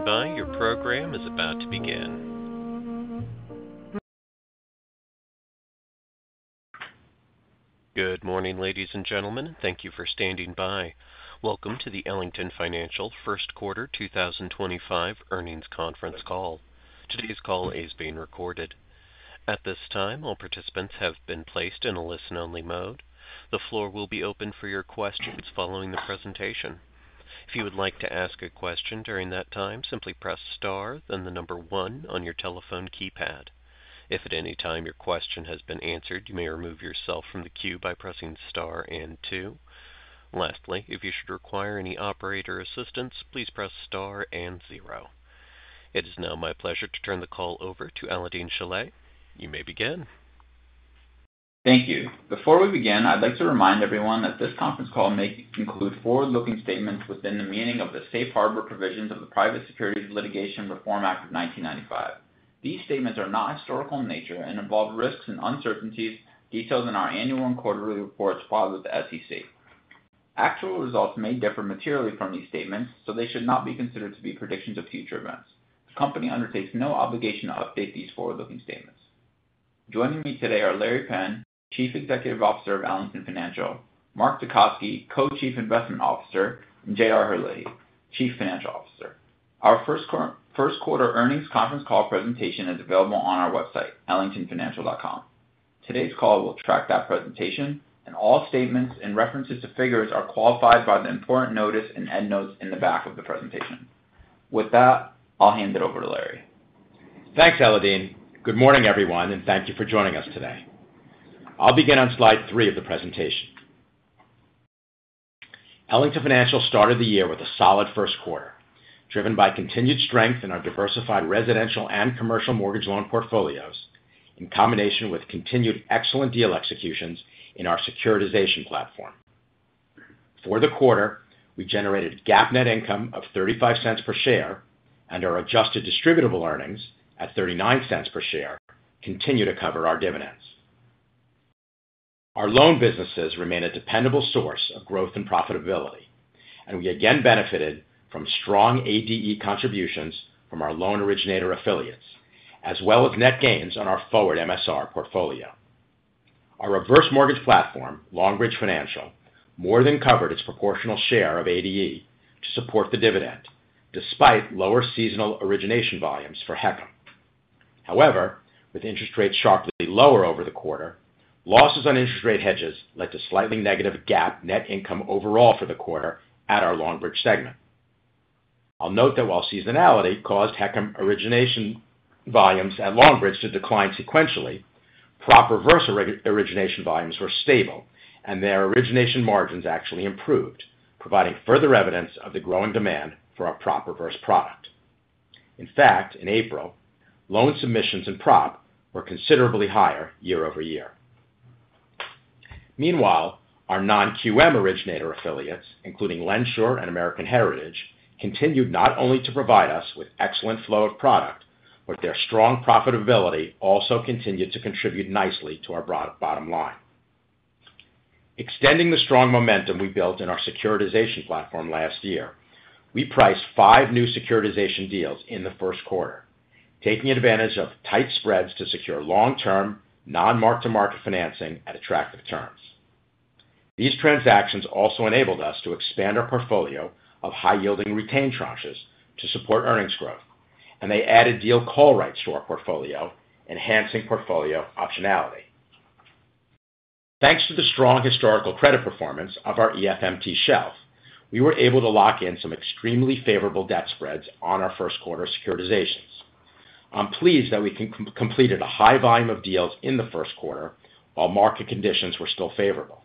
Please stand by, your program is about to begin. Good morning, ladies and gentlemen. Thank you for standing by. Welcome to the Ellington Financial First Quarter 2025 Earnings Conference call. Today's call is being recorded. At this time, all participants have been placed in a listen-only mode. The floor will be open for your questions following the presentation. If you would like to ask a question during that time, simply press star, then the number one on your telephone keypad. If at any time your question has been answered, you may remove yourself from the queue by pressing star and two. Lastly, if you should require any operator assistance, please press star and zero. It is now my pleasure to turn the call over to Alaael-Deen Shilleh. You may begin. Thank you. Before we begin, I'd like to remind everyone that this conference call may include forward-looking statements within the meaning of the Safe Harbor Provisions of the Private Securities Litigation Reform Act of 1995. These statements are not historical in nature and involve risks and uncertainties detailed in our annual and quarterly reports filed with the SEC. Actual results may differ materially from these statements, so they should not be considered to be predictions of future events. The company undertakes no obligation to update these forward-looking statements. Joining me today are Larry Penn, Chief Executive Officer of Ellington Financial, Mark Tecotzky, Co-Chief Investment Officer, and JR Herlihy, Chief Financial Officer. Our First Quarter Earnings Conference call presentation is available on our website, ellingtonfinancial.com. Today's call will track that presentation, and all statements and references to figures are qualified by the important notice and end notes in the back of the presentation. With that, I'll hand it over to Larry. Thanks, Alaael-Deen Good morning, everyone, and thank you for joining us today. I'll begin on slide three of the presentation. Ellington Financial started the year with a solid first quarter, driven by continued strength in our diversified residential and commercial mortgage loan portfolios, in combination with continued excellent deal executions in our securitization platform. For the quarter, we generated GAAP net income of $0.35 per share, and our adjusted distributable earnings at $0.39 per share continue to cover our dividends. Our loan businesses remain a dependable source of growth and profitability, and we again benefited from strong ADE contributions from our loan originator affiliates, as well as net gains on our forward MSR portfolio. Our reverse mortgage platform, Longbridge Financial, more than covered its proportional share of ADE to support the dividend, despite lower seasonal origination volumes for HECM. However, with interest rates sharply lower over the quarter, losses on interest rate hedges led to slightly negative GAAP net income overall for the quarter at our Longbridge segment. I'll note that while seasonality caused HECM origination volumes at Longbridge to decline sequentially, prop reverse origination volumes were stable, and their origination margins actually improved, providing further evidence of the growing demand for a prop reverse product. In fact, in April, loan submissions in prop were considerably higher year over year. Meanwhile, our non-QM originator affiliates, including LendSure and American Heritage, continued not only to provide us with excellent flow of product, but their strong profitability also continued to contribute nicely to our bottom line. Extending the strong momentum we built in our securitization platform last year, we priced five new securitization deals in the first quarter, taking advantage of tight spreads to secure long-term non-mark to market financing at attractive terms. These transactions also enabled us to expand our portfolio of high-yielding retained tranches to support earnings growth, and they added deal call rights to our portfolio, enhancing portfolio optionality. Thanks to the strong historical credit performance of our EFMT shelf, we were able to lock in some extremely favorable debt spreads on our first quarter securitizations. I'm pleased that we completed a high volume of deals in the first quarter while market conditions were still favorable.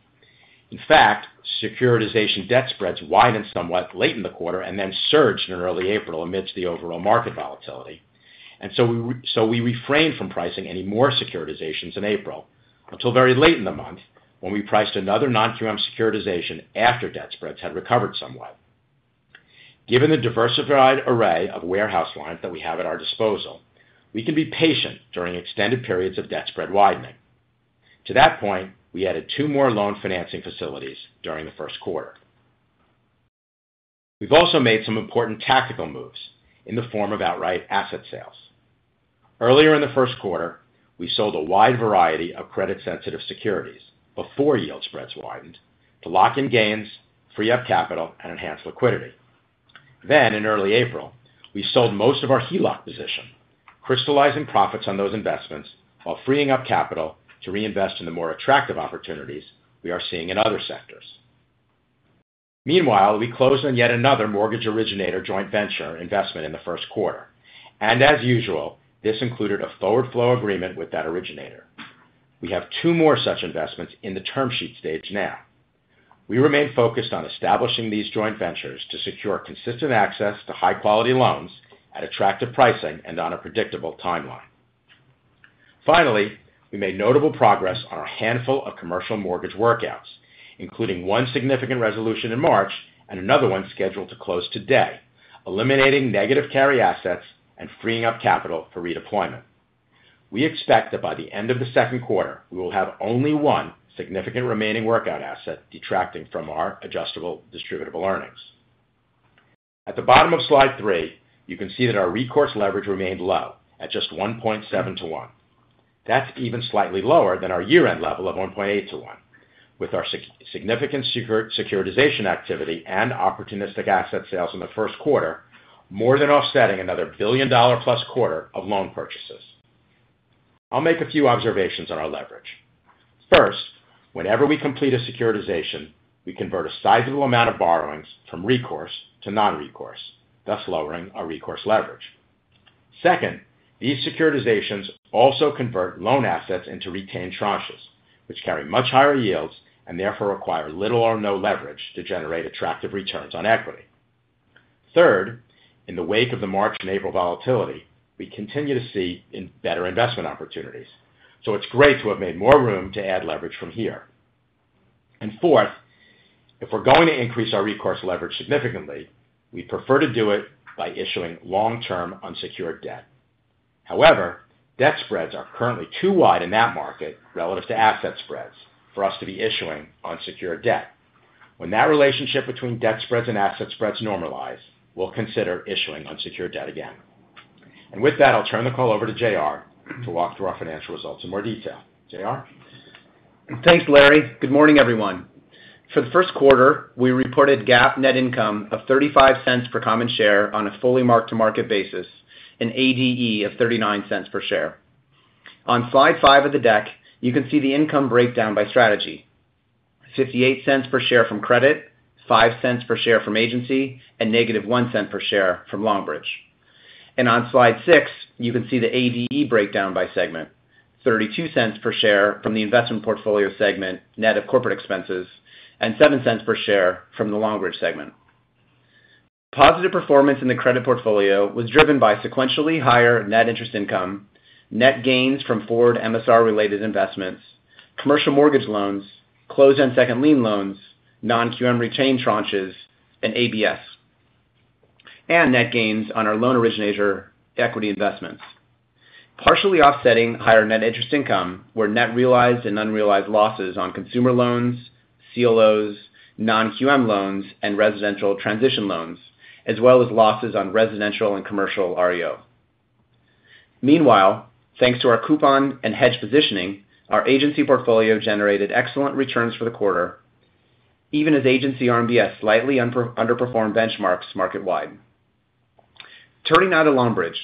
In fact, securitization debt spreads widened somewhat late in the quarter and then surged in early April amidst the overall market volatility, and so we refrained from pricing any more securitizations in April until very late in the month when we priced another non-QM securitization after debt spreads had recovered somewhat. Given the diversified array of warehouse lines that we have at our disposal, we can be patient during extended periods of debt spread widening. To that point, we added two more loan financing facilities during the first quarter. We have also made some important tactical moves in the form of outright asset sales. Earlier in the first quarter, we sold a wide variety of credit-sensitive securities before yield spreads widened to lock in gains, free up capital, and enhance liquidity. In early April, we sold most of our HELOC position, crystallizing profits on those investments while freeing up capital to reinvest in the more attractive opportunities we are seeing in other sectors. Meanwhile, we closed on yet another mortgage originator joint venture investment in the first quarter, and as usual, this included a forward flow agreement with that originator. We have two more such investments in the term sheet stage now. We remain focused on establishing these joint ventures to secure consistent access to high-quality loans at attractive pricing and on a predictable timeline. Finally, we made notable progress on a handful of commercial mortgage workouts, including one significant resolution in h and another one scheduled to close today, eliminating negative carry assets and freeing up capital for redeployment. We expect that by the end of the second quarter, we will have only one significant remaining workout asset detracting from our adjusted distributable earnings. At the bottom of slide three, you can see that our recourse leverage remained low at just 1.7 to 1. That's even slightly lower than our year-end level of 1.8 to 1, with our significant securitization activity and opportunistic asset sales in the first quarter more than offsetting another billion-dollar-plus quarter of loan purchases. I'll make a few observations on our leverage. First, whenever we complete a securitization, we convert a sizable amount of borrowings from recourse to non-recourse, thus lowering our recourse leverage. Second, these securitizations also convert loan assets into retained tranches, which carry much higher yields and therefore require little or no leverage to generate attractive returns on equity. Third, in the wake of the March and April volatility, we continue to see better investment opportunities, so it's great to have made more room to add leverage from here. Fourth, if we're going to increase our recourse leverage significantly, we prefer to do it by issuing long-term unsecured debt. However, debt spreads are currently too wide in that market relative to asset spreads for us to be issuing unsecured debt. When that relationship between debt spreads and asset spreads normalizes, we'll consider issuing unsecured debt again. With that, I'll turn the call over to JR to walk through our financial results in more detail. JR? Thanks, Larry. Good morning, everyone. For the first quarter, we reported GAAP net income of $0.35 per common share on a fully mark to market basis and ADE of $0.39 per share. On slide five of the deck, you can see the income breakdown by strategy: $0.58 per share from credit, $0.05 per share from agency, and -$0.01 per share from Longbridge. On slide six, you can see the ADE breakdown by segment: $0.32 per share from the investment portfolio segment net of corporate expenses and $0.07 per share from the Longbridge segment. Positive performance in the credit portfolio was driven by sequentially higher net interest income, net gains from forward MSR-related investments, commercial mortgage loans, closed-end second lien loans, non-QM retained tranches, and ABS, and net gains on our loan originator equity investments, partially offsetting higher net interest income where net realized and unrealized losses on consumer loans, CLOs, non-QM loans, and residential transition loans, as well as losses on residential and commercial REO. Meanwhile, thanks to our coupon and hedge positioning, our agency portfolio generated excellent returns for the quarter, even as agency RMBS slightly underperformed benchmarks market-wide. Turning now to Longbridge.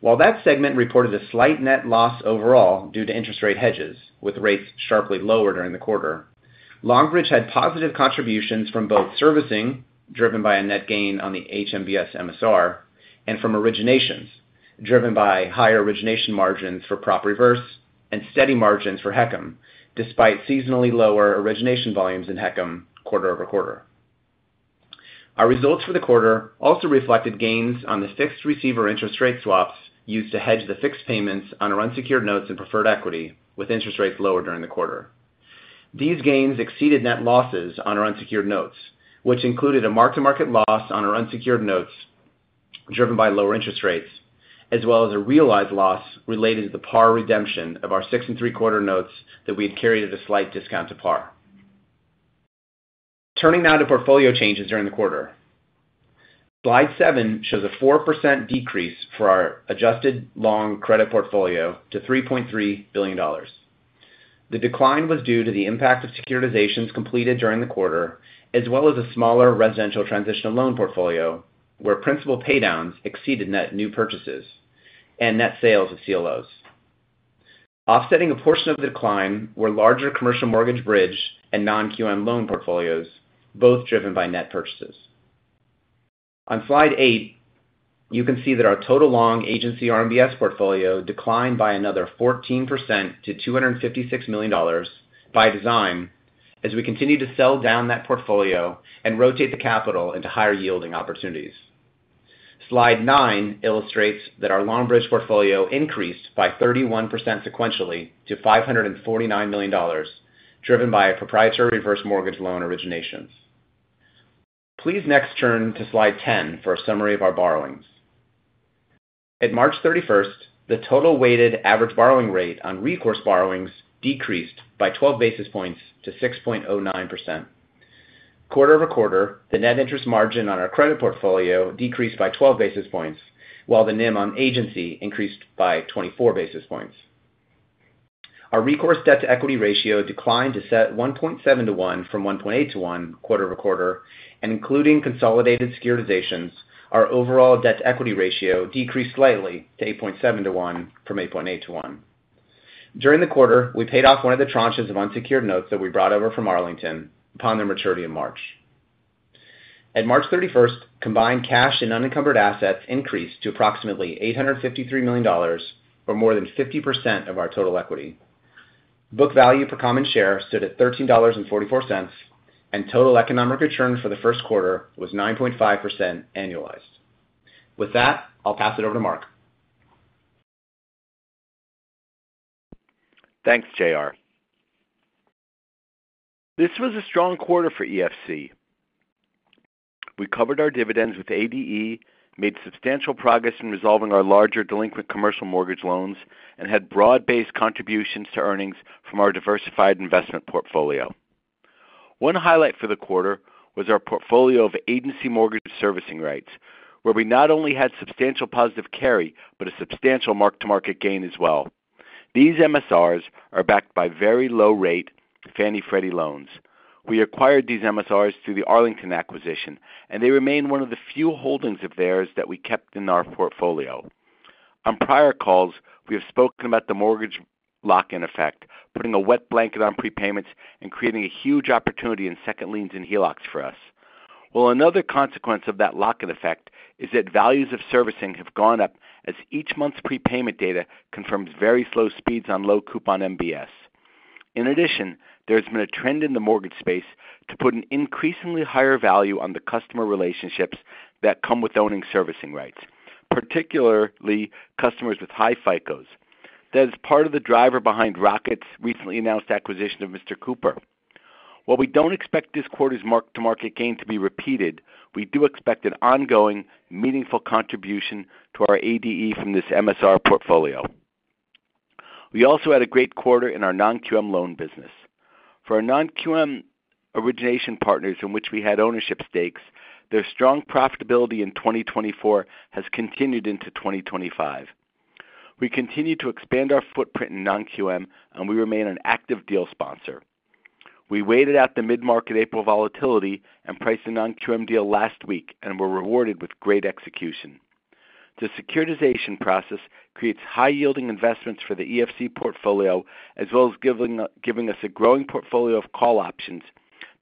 While that segment reported a slight net loss overall due to interest rate hedges, with rates sharply lower during the quarter, Longbridge had positive contributions from both servicing, driven by a net gain on the HMBS MSR, and from originations, driven by higher origination margins for prop reverse and steady margins for HECM, despite seasonally lower origination volumes in HECM quarter over quarter. Our results for the quarter also reflected gains on the fixed receiver interest rate swaps used to hedge the fixed payments on our unsecured notes and preferred equity, with interest rates lower during the quarter. These gains exceeded net losses on our unsecured notes, which included a mark to market loss on our unsecured notes driven by lower interest rates, as well as a realized loss related to the par redemption of our six and three-quarter notes that we had carried at a slight discount to par. Turning now to portfolio changes during the quarter. Slide seven shows a 4% decrease for our adjusted long credit portfolio to $3.3 billion. The decline was due to the impact of securitizations completed during the quarter, as well as a smaller residential transitional loan portfolio where principal paydowns exceeded net new purchases and net sales of CLOs. Offsetting a portion of the decline were larger commercial mortgage bridge and non-QM loan portfolios, both driven by net purchases. On slide eight, you can see that our total long agency RMBS portfolio declined by another 14% to $256 million by design as we continued to sell down that portfolio and rotate the capital into higher yielding opportunities. Slide nine illustrates that our Longbridge portfolio increased by 31% sequentially to $549 million, driven by proprietary reverse mortgage loan originations. Please next turn to slide 10 for a summary of our borrowings. At March 31st, the total weighted average borrowing rate on recourse borrowings decreased by 12 basis points to 6.09%. Quarter over quarter, the net interest margin on our credit portfolio decreased by 12 basis points, while the NIM on agency increased by 24 basis points. Our recourse debt to equity ratio declined to 1.7 to 1 from 1.8 to 1 quarter over quarter, and including consolidated securitizations, our overall debt to equity ratio decreased slightly to 8.7 to 1 from 8.8 to 1. During the quarter, we paid off one of the tranches of unsecured notes that we brought over from Arlington upon their maturity in March. At March 31st, combined cash and unencumbered assets increased to approximately $853 million, or more than 50% of our total equity. Book value per common share stood at $13.44, and total economic return for the first quarter was 9.5% annualized. With that, I'll pass it over to Marc. Thanks, JR. This was a strong quarter for EFC. We covered our dividends with ADE, made substantial progress in resolving our larger delinquent commercial mortgage loans, and had broad-based contributions to earnings from our diversified investment portfolio. One highlight for the quarter was our portfolio of agency mortgage servicing rights, where we not only had substantial positive carry but a substantial mark to market gain as well. These MSRs are backed by very low-rate Fannie Freddie loans. We acquired these MSRs through the Arlington acquisition, and they remain one of the few holdings of theirs that we kept in our portfolio. On prior calls, we have spoken about the mortgage lock-in effect, putting a wet blanket on prepayments and creating a huge opportunity in second liens and HELOCs for us. Another consequence of that lock-in effect is that values of servicing have gone up as each month's prepayment data confirms very slow speeds on low-coupon MBS. In addition, there has been a trend in the mortgage space to put an increasingly higher value on the customer relationships that come with owning servicing rights, particularly customers with high FICOs. That is part of the driver behind Rocket's recently announced acquisition of Mr. Cooper. While we do not expect this quarter's mark to market gain to be repeated, we do expect an ongoing, meaningful contribution to our ADE from this MSR portfolio. We also had a great quarter in our non-QM loan business. For our non-QM origination partners in which we had ownership stakes, their strong profitability in 2024 has continued into 2025. We continue to expand our footprint in non-QM, and we remain an active deal sponsor. We waited out the mid-market April volatility and priced a non-QM deal last week and were rewarded with great execution. The securitization process creates high-yielding investments for the EFC portfolio, as well as giving us a growing portfolio of call options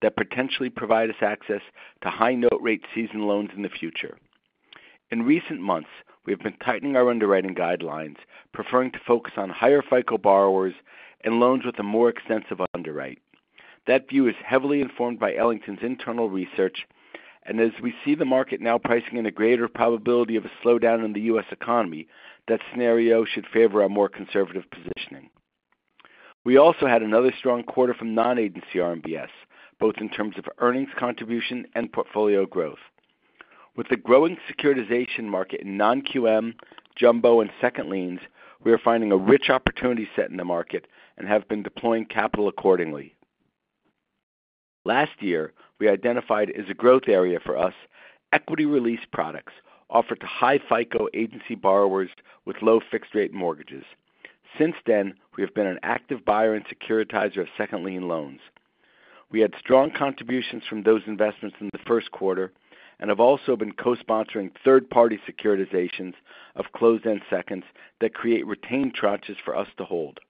that potentially provide us access to high-note rate season loans in the future. In recent months, we have been tightening our underwriting guidelines, preferring to focus on higher FICO borrowers and loans with a more extensive underwrite. That view is heavily informed by Ellington's internal research, and as we see the market now pricing in a greater probability of a slowdown in the U.S. economy, that scenario should favor a more conservative positioning. We also had another strong quarter from non-agency RMBS, both in terms of earnings contribution and portfolio growth. With the growing securitization market in non-QM, Jumbo, and second liens, we are finding a rich opportunity set in the market and have been deploying capital accordingly. Last year, we identified as a growth area for us equity release products offered to high FICO agency borrowers with low fixed-rate mortgages. Since then, we have been an active buyer and securitizer of second lien loans. We had strong contributions from those investments in the first quarter and have also been co-sponsoring third-party securitizations of closed-end seconds that create retained tranches for us to hold.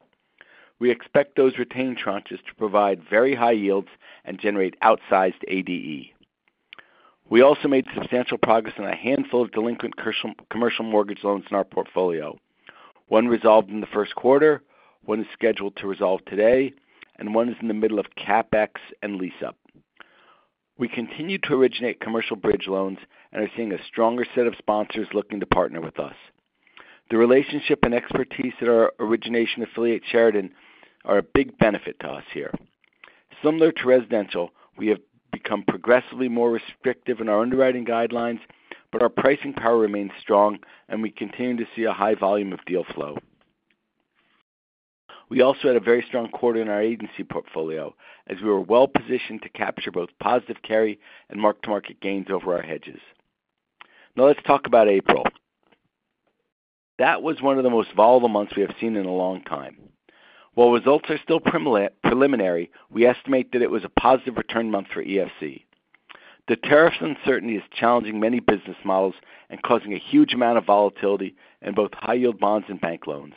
We expect those retained tranches to provide very high yields and generate outsized ADE. We also made substantial progress on a handful of delinquent commercial mortgage loans in our portfolio. One resolved in the first quarter, one is scheduled to resolve today, and one is in the middle of CapEx and lease-up. We continue to originate commercial bridge loans and are seeing a stronger set of sponsors looking to partner with us. The relationship and expertise at our origination affiliate Sheridan are a big benefit to us here. Similar to residential, we have become progressively more restrictive in our underwriting guidelines, but our pricing power remains strong, and we continue to see a high volume of deal flow. We also had a very strong quarter in our agency portfolio as we were well-positioned to capture both positive carry and mark to market gains over our hedges. Now let's talk about April. That was one of the most volatile months we have seen in a long time. While results are still preliminary, we estimate that it was a positive return month for EFC. The tariff uncertainty is challenging many business models and causing a huge amount of volatility in both high-yield bonds and bank loans.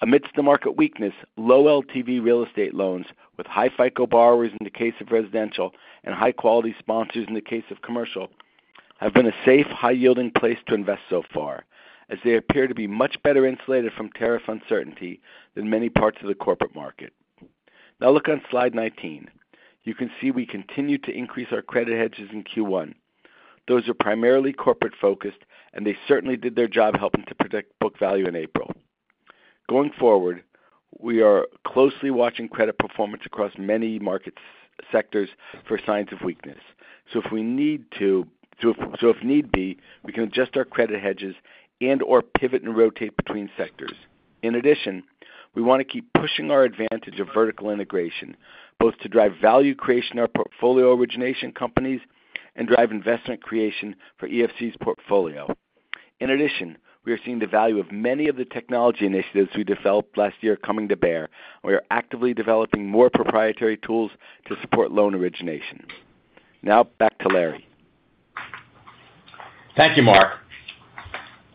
Amidst the market weakness, low LTV real estate loans with high FICO borrowers in the case of residential and high-quality sponsors in the case of commercial have been a safe, high-yielding place to invest so far as they appear to be much better insulated from tariff uncertainty than many parts of the corporate market. Now look on slide 19. You can see we continue to increase our credit hedges in Q1. Those are primarily corporate-focused, and they certainly did their job helping to protect book value in April. Going forward, we are closely watching credit performance across many market sectors for signs of weakness. If we need to, if need be, we can adjust our credit hedges and/or pivot and rotate between sectors. In addition, we want to keep pushing our advantage of vertical integration, both to drive value creation in our portfolio origination companies and drive investment creation for EFC's portfolio. In addition, we are seeing the value of many of the technology initiatives we developed last year coming to bear. We are actively developing more proprietary tools to support loan origination. Now back to Larry. Thank you, Mark.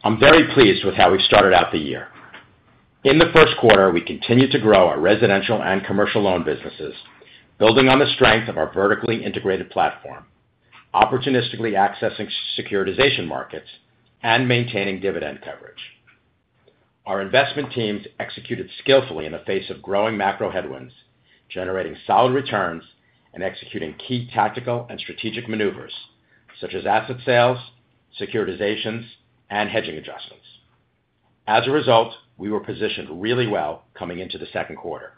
I'm very pleased with how we've started out the year. In the first quarter, we continued to grow our residential and commercial loan businesses, building on the strength of our vertically integrated platform, opportunistically accessing securitization markets, and maintaining dividend coverage. Our investment teams executed skillfully in the face of growing macro headwinds, generating solid returns, and executing key tactical and strategic maneuvers such as asset sales, securitizations, and hedging adjustments. As a result, we were positioned really well coming into the second quarter.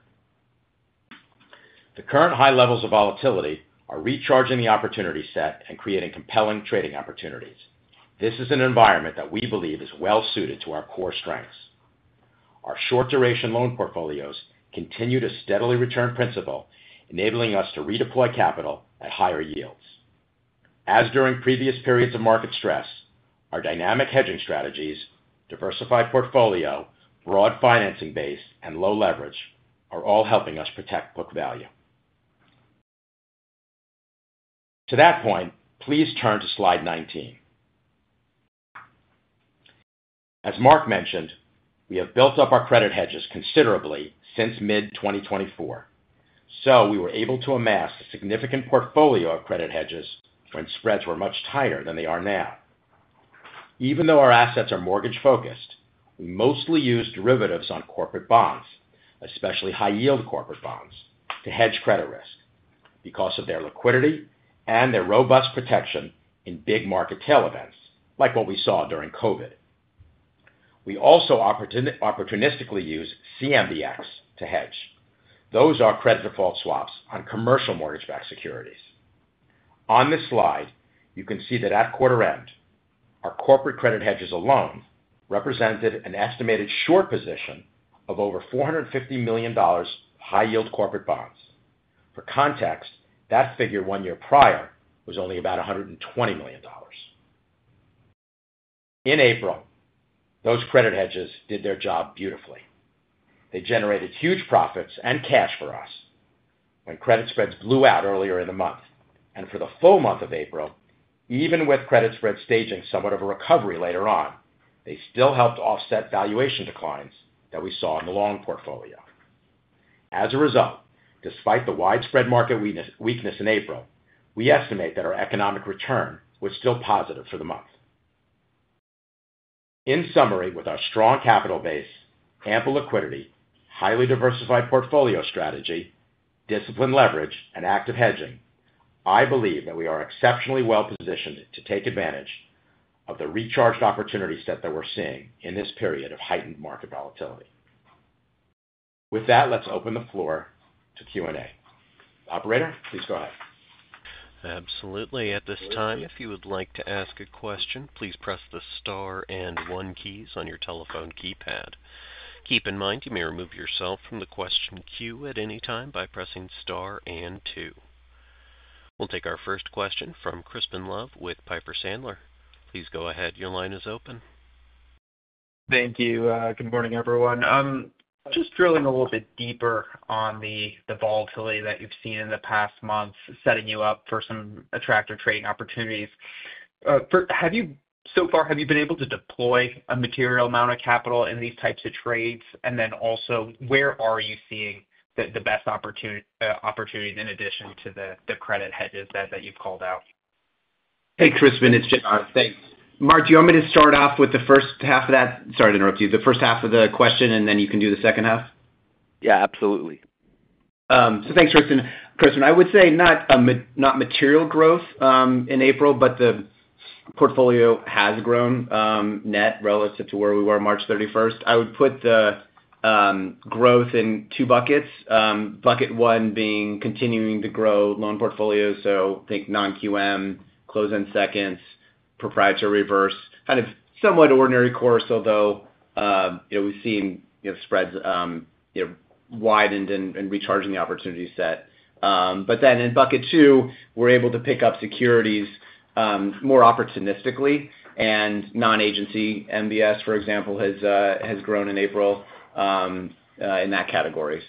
The current high levels of volatility are recharging the opportunity set and creating compelling trading opportunities. This is an environment that we believe is well-suited to our core strengths. Our short-duration loan portfolios continue to steadily return principal, enabling us to redeploy capital at higher yields. As during previous periods of market stress, our dynamic hedging strategies, diversified portfolio, broad financing base, and low leverage are all helping us protect book value. To that point, please turn to slide 19. As Mark mentioned, we have built up our credit hedges considerably since mid-2024, so we were able to amass a significant portfolio of credit hedges when spreads were much tighter than they are now. Even though our assets are mortgage-focused, we mostly use derivatives on corporate bonds, especially high-yield corporate bonds, to hedge credit risk because of their liquidity and their robust protection in big market tail events like what we saw during COVID. We also opportunistically use CMBX to hedge. Those are credit default swaps on commercial mortgage-backed securities. On this slide, you can see that at quarter end, our corporate credit hedges alone represented an estimated short position of over $450 million of high-yield corporate bonds. For context, that figure one year prior was only about $120 million. In April, those credit hedges did their job beautifully. They generated huge profits and cash for us when credit spreads blew out earlier in the month. For the full month of April, even with credit spreads staging somewhat of a recovery later on, they still helped offset valuation declines that we saw in the long portfolio. As a result, despite the widespread market weakness in April, we estimate that our economic return was still positive for the month. In summary, with our strong capital base, ample liquidity, highly diversified portfolio strategy, disciplined leverage, and active hedging, I believe that we are exceptionally well-positioned to take advantage of the recharged opportunity set that we're seeing in this period of heightened market volatility. With that, let's open the floor to Q&A. Operator, please go ahead. Absolutely. At this time, if you would like to ask a question, please press the star and one keys on your telephone keypad. Keep in mind, you may remove yourself from the question queue at any time by pressing star and two. We'll take our first question from Crispin Love with Piper Sandler. Please go ahead. Your line is open. Thank you. Good morning, everyone. Just drilling a little bit deeper on the volatility that you've seen in the past month, setting you up for some attractive trading opportunities. So far, have you been able to deploy a material amount of capital in these types of trades? Also, where are you seeing the best opportunities in addition to the credit hedges that you've called out? Hey, Crispin. It's JR. Thanks. Mark, do you want me to start off with the first half of that? Sorry to interrupt you. The first half of the question, and then you can do the second half. Yeah, absolutely. Thanks, Crispin. I would say not material growth in April, but the portfolio has grown net relative to where we were March 31st. I would put the growth in two buckets. Bucket one being continuing to grow loan portfolios, so I think non-QM, closed-end seconds, proprietary reverse, kind of somewhat ordinary course, although we've seen spreads widened and recharging the opportunity set. In bucket two, we're able to pick up securities more opportunistically, and non-agency MBS, for example, has grown in April in that category.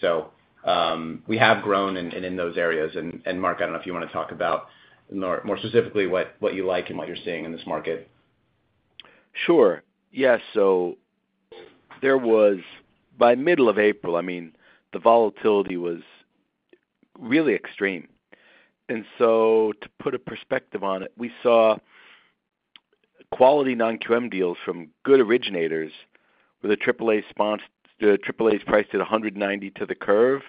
We have grown in those areas. Mark, I don't know if you want to talk about more specifically what you like and what you're seeing in this market. Sure. Yeah. There was, by middle of April, I mean, the volatility was really extreme. To put a perspective on it, we saw quality non-QM deals from good originators with a AAA price at 190 to the curve.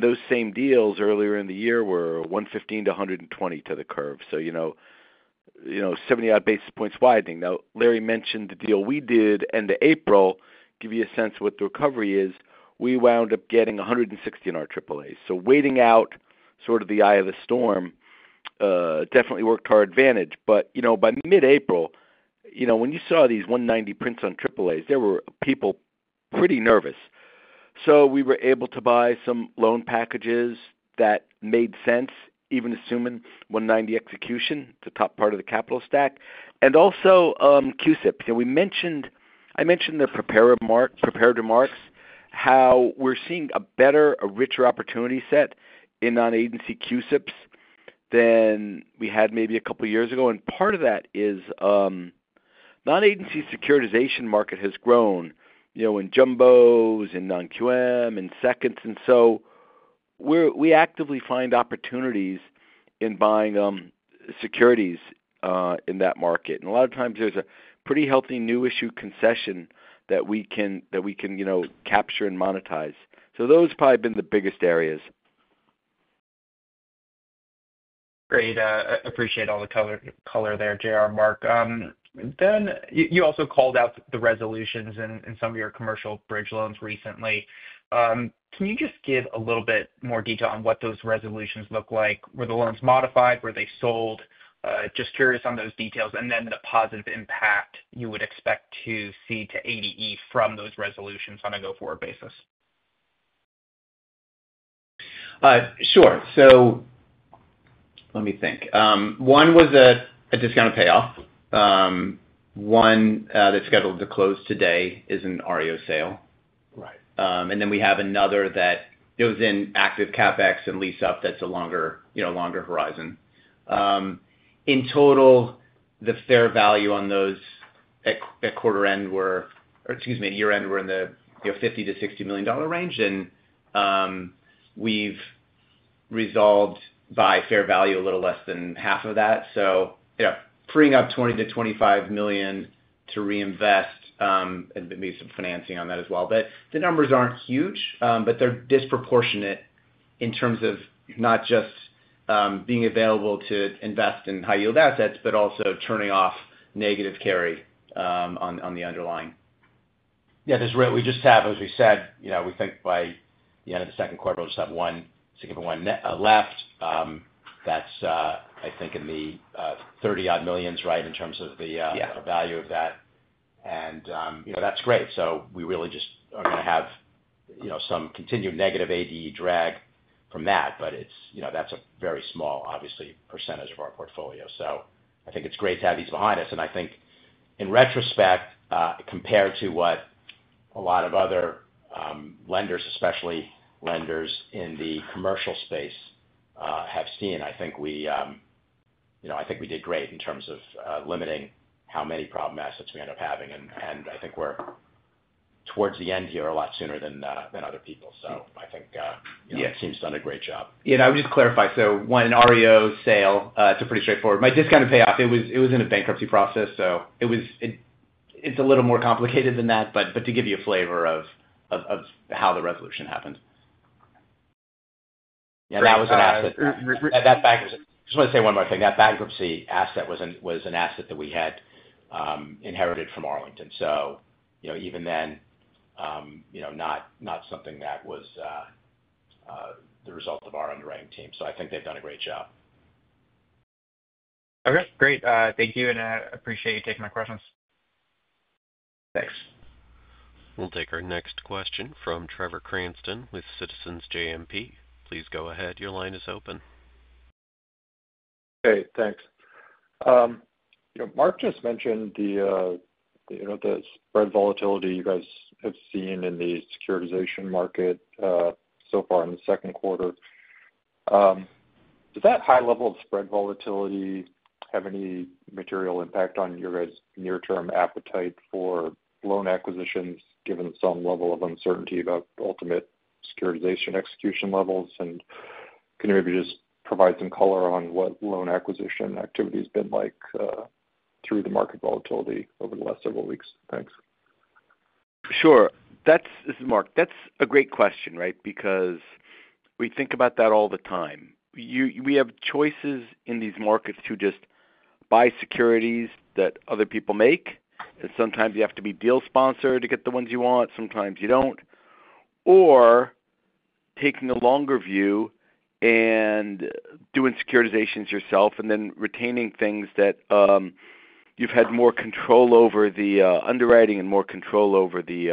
Those same deals earlier in the year were 115-120 to the curve, so 70-odd basis points widening. Now, Larry mentioned the deal we did end of April, give you a sense of what the recovery is. We wound up getting 160 in our AAAs. Waiting out sort of the eye of the storm definitely worked to our advantage. By mid-April, when you saw these 190 prints on AAAs, there were people pretty nervous. We were able to buy some loan packages that made sense, even assuming 190 execution at the top part of the capital stack. Also QSIP. I mentioned to Mark how we're seeing a better, a richer opportunity set in non-agency QSIPs than we had maybe a couple of years ago. Part of that is non-agency securitization market has grown in Jumbos, in non-QM, in seconds. We actively find opportunities in buying securities in that market. A lot of times, there's a pretty healthy new issue concession that we can capture and monetize. Those have probably been the biggest areas. Great. Appreciate all the color there, JR, Mark. You also called out the resolutions in some of your commercial bridge loans recently. Can you just give a little bit more detail on what those resolutions look like? Were the loans modified? Were they sold? Just curious on those details. The positive impact you would expect to see to ADE from those resolutions on a go-forward basis. Sure. Let me think. One was a discounted payoff. One that's scheduled to close today is an REO sale. We have another that goes in active CapEx and lease-up that's a longer horizon. In total, the fair value on those at quarter end were, or excuse me, at year end were in the $50 million-$60 million range. We've resolved by fair value a little less than half of that, so freeing up $20 million-$25 million to reinvest and maybe some financing on that as well. The numbers aren't huge, but they're disproportionate in terms of not just being available to invest in high-yield assets, but also turning off negative carry on the underlying. Yeah. We just have, as we said, we think by the end of the second quarter, we'll just have one significant one left. That's, I think, in the $30 million-odd, right, in terms of the value of that. And that's great. We really just are going to have some continued negative ADE drag from that. That's a very small, obviously, percentage of our portfolio. I think it's great to have these behind us. I think in retrospect, compared to what a lot of other lenders, especially lenders in the commercial space, have seen, I think we did great in terms of limiting how many problem assets we end up having. I think we're towards the end here a lot sooner than other people. I think it seems to have done a great job. Yeah. I would just clarify. One, an REO sale, it's pretty straightforward. My discounted payoff, it was in a bankruptcy process. It's a little more complicated than that. To give you a flavor of how the resolution happened, yeah, that was an asset. Just wanted to say one more thing. That bankruptcy asset was an asset that we had inherited from Arlington. Even then, not something that was the result of our underwriting team. I think they've done a great job. Okay. Great. Thank you. I appreciate you taking my questions. Thanks. We'll take our next question from Trevor Cranston with Citizens JMP. Please go ahead. Your line is open. Okay. Thanks. Mark just mentioned the spread volatility you guys have seen in the securitization market so far in the second quarter. Does that high level of spread volatility have any material impact on your guys' near-term appetite for loan acquisitions, given some level of uncertainty about ultimate securitization execution levels? Can you maybe just provide some color on what loan acquisition activity has been like through the market volatility over the last several weeks? Thanks. Sure. This is Mark. That's a great question, right, because we think about that all the time. We have choices in these markets to just buy securities that other people make. Sometimes you have to be deal sponsored to get the ones you want. Sometimes you do not. Taking a longer view and doing securitizations yourself and then retaining things that you have had more control over, the underwriting and more control over the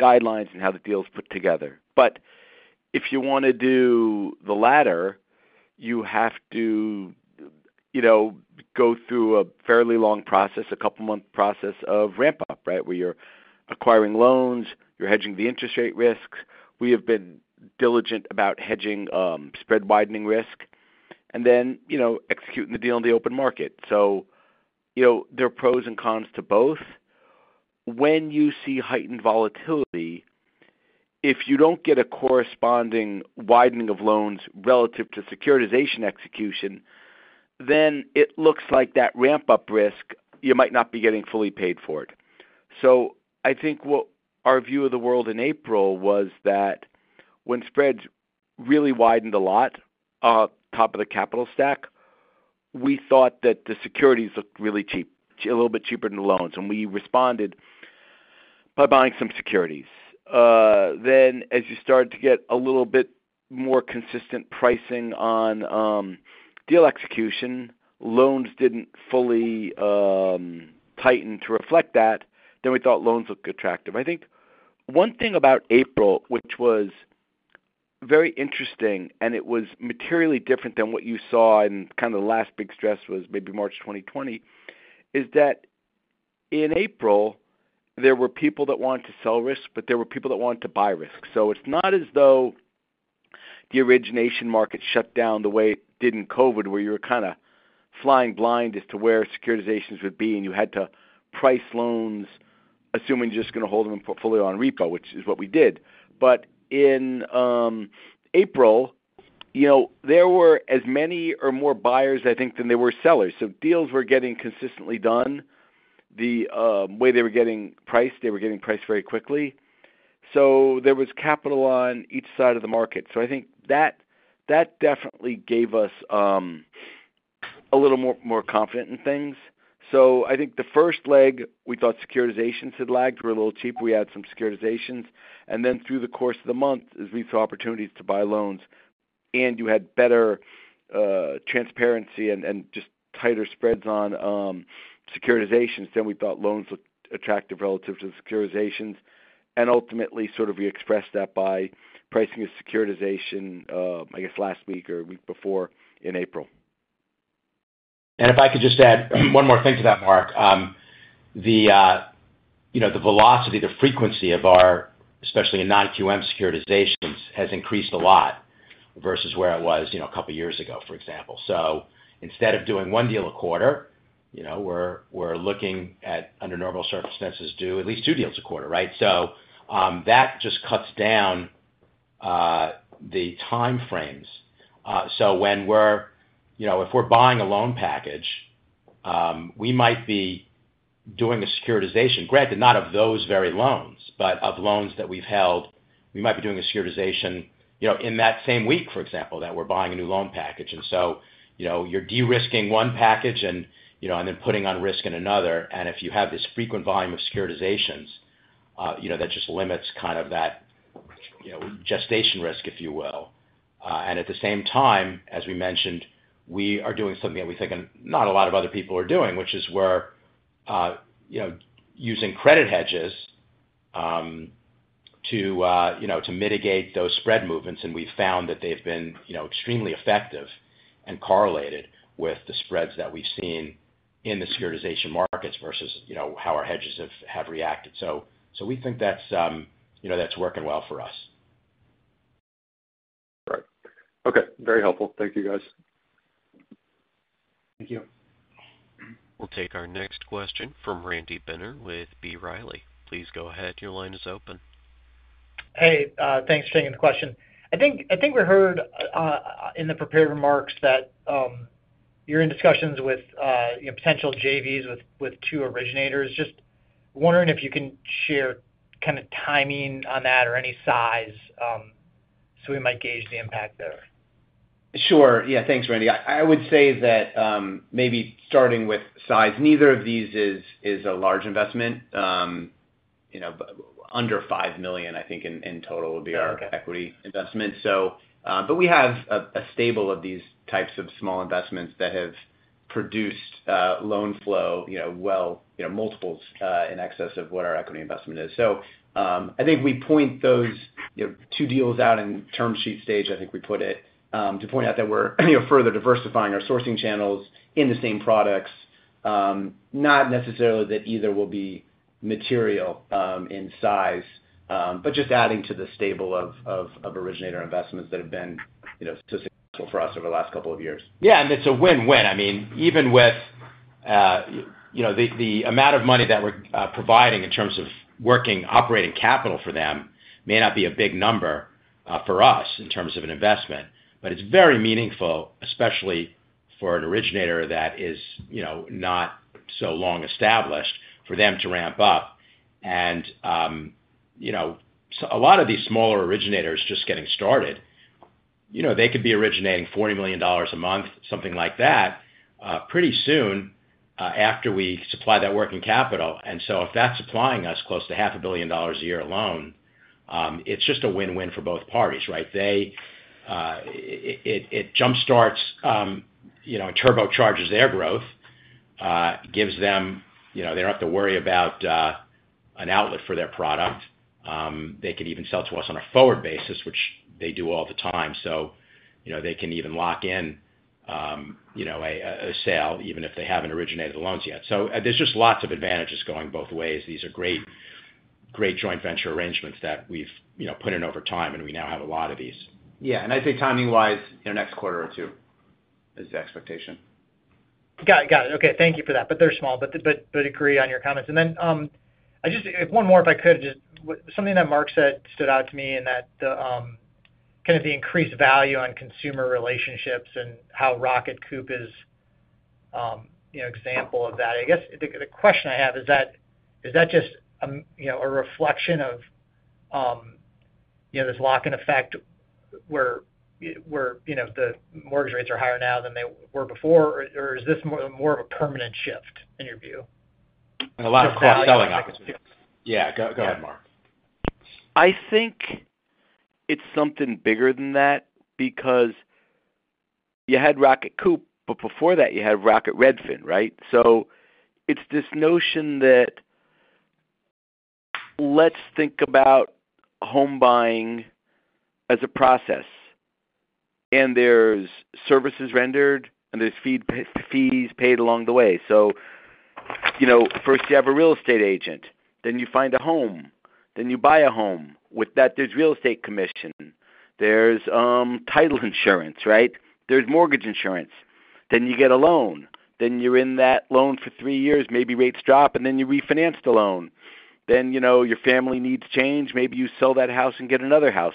guidelines and how the deal is put together. If you want to do the latter, you have to go through a fairly long process, a couple-month process of ramp-up, right, where you are acquiring loans, you are hedging the interest rate risks. We have been diligent about hedging spread widening risk and then executing the deal in the open market. There are pros and cons to both. When you see heightened volatility, if you do not get a corresponding widening of loans relative to securitization execution, then it looks like that ramp-up risk, you might not be getting fully paid for it. I think our view of the world in April was that when spreads really widened a lot off top of the capital stack, we thought that the securities looked really cheap, a little bit cheaper than the loans. We responded by buying some securities. As you started to get a little bit more consistent pricing on deal execution, loans did not fully tighten to reflect that, then we thought loans looked attractive. I think one thing about April, which was very interesting and it was materially different than what you saw in kind of the last big stress was maybe March 2020, is that in April, there were people that wanted to sell risk, but there were people that wanted to buy risk. It is not as though the origination market shut down the way it did in COVID, where you were kind of flying blind as to where securitizations would be, and you had to price loans assuming you are just going to hold them in portfolio on repo, which is what we did. In April, there were as many or more buyers, I think, than there were sellers. Deals were getting consistently done. The way they were getting priced, they were getting priced very quickly. There was capital on each side of the market. I think that definitely gave us a little more confidence in things. I think the first leg, we thought securitizations had lagged. We were a little cheap. We added some securitizations. Through the course of the month, as we saw opportunities to buy loans and you had better transparency and just tighter spreads on securitizations, we thought loans looked attractive relative to the securitizations. Ultimately, we expressed that by pricing of securitization, I guess, last week or a week before in April. If I could just add one more thing to that, Mark. The velocity, the frequency of our, especially in non-QM securitizations, has increased a lot versus where it was a couple of years ago, for example. Instead of doing one deal a quarter, we are looking at, under normal circumstances, doing at least two deals a quarter, right? That just cuts down the time frames. When we are, if we are buying a loan package, we might be doing a securitization, granted not of those very loans, but of loans that we have held. We might be doing a securitization in that same week, for example, that we are buying a new loan package. You are de-risking one package and then putting on risk in another. If you have this frequent volume of securitizations, that just limits kind of that gestation risk, if you will. At the same time, as we mentioned, we are doing something that we think not a lot of other people are doing, which is we're using credit hedges to mitigate those spread movements. We've found that they've been extremely effective and correlated with the spreads that we've seen in the securitization markets versus how our hedges have reacted. We think that's working well for us. All right. Okay. Very helpful. Thank you, guys. Thank you. We'll take our next question from Randy Binner with B. Riley. Please go ahead. Your line is open. Hey. Thanks for taking the question. I think we heard in the prepared remarks that you're in discussions with potential JVs with two originators. Just wondering if you can share kind of timing on that or any size so we might gauge the impact there. Sure. Yeah. Thanks, Randy. I would say that maybe starting with size, neither of these is a large investment. Under $5 million, I think, in total would be our equity investment. But we have a stable of these types of small investments that have produced loan flow well multiples in excess of what our equity investment is. I think we point those two deals out in term sheet stage, I think we put it, to point out that we are further diversifying our sourcing channels in the same products. Not necessarily that either will be material in size, but just adding to the stable of originator investments that have been so successful for us over the last couple of years. Yeah. And it is a win-win. I mean, even with the amount of money that we're providing in terms of working operating capital for them, it may not be a big number for us in terms of an investment. But it's very meaningful, especially for an originator that is not so long established, for them to ramp up. A lot of these smaller originators just getting started, they could be originating $40 million a month, something like that, pretty soon after we supply that working capital. If that's supplying us close to $500 million a year alone, it's just a win-win for both parties, right? It jump-starts and turbocharges their growth, gives them they don't have to worry about an outlet for their product. They can even sell to us on a forward basis, which they do all the time. They can even lock in a sale even if they have not originated the loans yet. There are just lots of advantages going both ways. These are great joint venture arrangements that we have put in over time, and we now have a lot of these. Yeah. I think timing-wise, in the next quarter or two is the expectation. Got it. Got it. Okay. Thank you for that. They're small. I agree on your comments. One more, if I could, just something that Mark said stood out to me in that kind of the increased value on consumer relationships and how Rocket Coop is an example of that. I guess the question I have is that is that just a reflection of this lock-in effect where the mortgage rates are higher now than they were before? Is this more of a permanent shift in your view? A lot of cross-selling opportunities. Yeah. Go ahead, Mark. I think it's something bigger than that because you had Rocket Coop, but before that, you had Rocket-Redfin, right? It's this notion that let's think about home buying as a process. There are services rendered, and there are fees paid along the way. First, you have a real estate agent. Then you find a home. Then you buy a home. With that, there's real estate commission. There's title insurance, right? There's mortgage insurance. Then you get a loan. Then you're in that loan for three years. Maybe rates drop, and you refinance the loan. Your family needs change. Maybe you sell that house and get another house.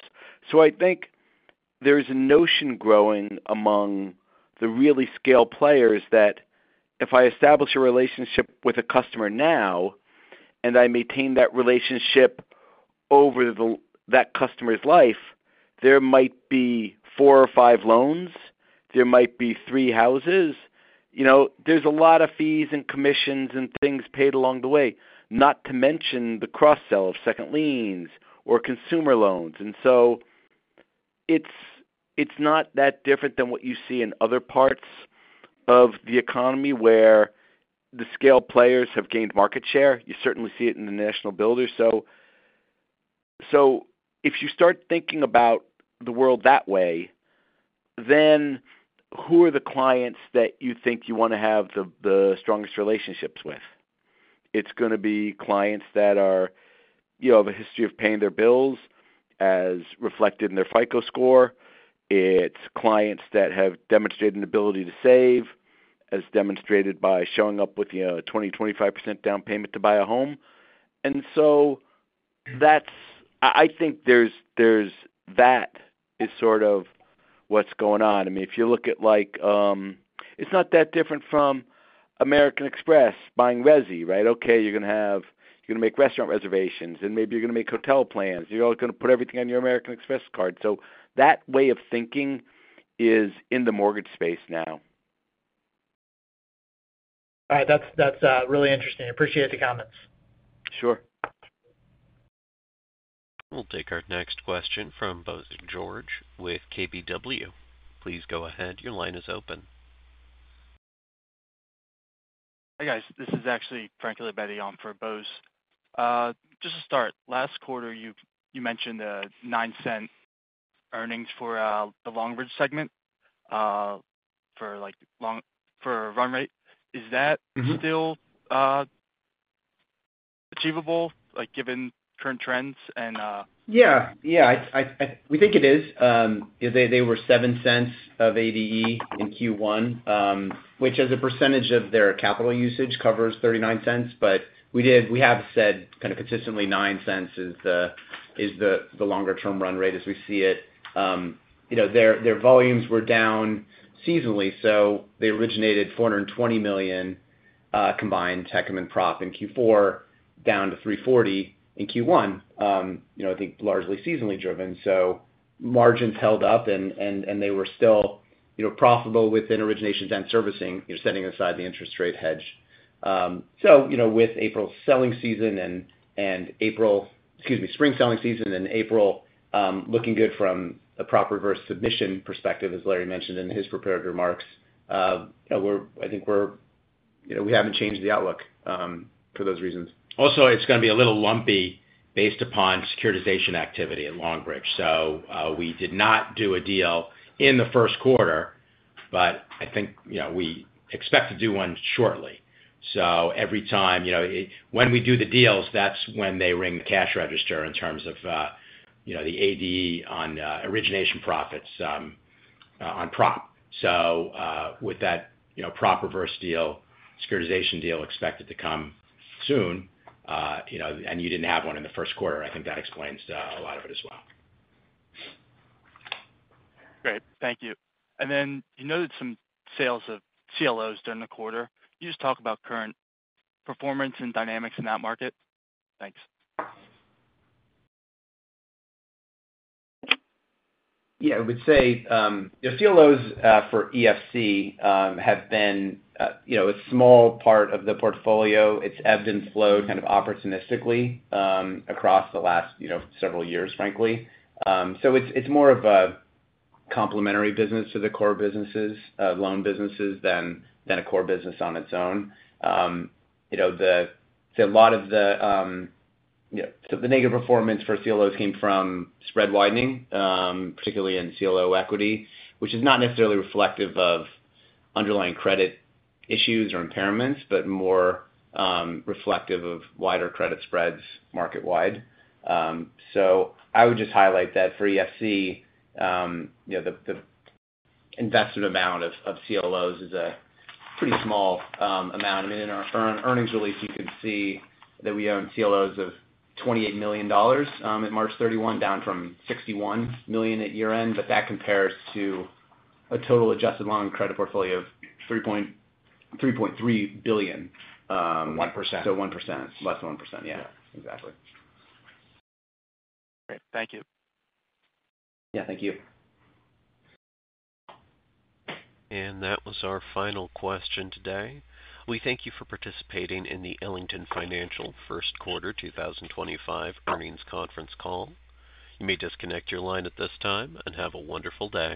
I think there's a notion growing among the really scale players that if I establish a relationship with a customer now and I maintain that relationship over that customer's life, there might be four or five loans. There might be three houses. There is a lot of fees and commissions and things paid along the way, not to mention the cross-sell of second liens or consumer loans. It is not that different than what you see in other parts of the economy where the scale players have gained market share. You certainly see it in the national builders. If you start thinking about the world that way, then who are the clients that you think you want to have the strongest relationships with? It is going to be clients that have a history of paying their bills as reflected in their FICO score. It is clients that have demonstrated an ability to save, as demonstrated by showing up with a 20%,25% down payment to buy a home. I think that is sort of what is going on. I mean, if you look at it, it's not that different from American Express buying Resy, right? Okay. You're going to make restaurant reservations, and maybe you're going to make hotel plans. You're all going to put everything on your American Express card. That way of thinking is in the mortgage space now. All right. That's really interesting. Appreciate the comments. Sure. We'll take our next question from Bose George with KBW. Please go ahead. Your line is open. Hey, guys. This is actually Franklin Bettie on for Bose. Just to start, last quarter, you mentioned $0.09 earnings for the long range segment for run rate. Is that still achievable given current trends? Yeah. Yeah. We think it is. They were $0.07 of ADE in Q1, which as a percentage of their capital usage covers $0.39. But we have said kind of consistently $0.09 is the longer-term run rate as we see it. Their volumes were down seasonally. They originated $420 million combined HECM and Prop in Q4, down to $340 million in Q1, I think largely seasonally driven. Margins held up, and they were still profitable within originations and servicing, setting aside the interest rate hedge. With April's selling season and April, excuse me, spring selling season and April looking good from a prop reverse submission perspective, as Larry mentioned in his prepared remarks, I think we have not changed the outlook for those reasons. Also, it is going to be a little lumpy based upon securitization activity at Longbridge. We did not do a deal in the first quarter, but I think we expect to do one shortly. Every time when we do the deals, that's when they ring the cash register in terms of the ADE on origination profits on prop. With that prop reverse deal, securitization deal expected to come soon, and you did not have one in the first quarter, I think that explains a lot of it as well. Great. Thank you. You noted some sales of CLOs during the quarter. Can you just talk about current performance and dynamics in that market? Thanks. Yeah. I would say CLOs for EFC have been a small part of the portfolio. It's ebbed and flowed kind of opportunistically across the last several years, frankly. It is more of a complementary business to the core businesses, loan businesses, than a core business on its own. A lot of the negative performance for CLOs came from spread widening, particularly in CLO equity, which is not necessarily reflective of underlying credit issues or impairments, but more reflective of wider credit spreads marketwide. I would just highlight that for EFC, the invested amount of CLOs is a pretty small amount. I mean, in our earnings release, you can see that we own CLOs of $28 million at March 31, down from $61 million at year-end. That compares to a total adjusted long credit portfolio of $3.3 billion. 1%. 1%. Less than 1%. Yeah. Exactly. Great. Thank you. Yeah. Thank you. That was our final question today. We thank you for participating in the Ellington Financial First Quarter 2025 earnings conference call. You may disconnect your line at this time and have a wonderful day.